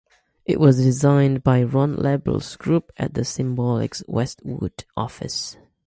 It was designed by Ron Lebel's group at the Symbolics Westwood office.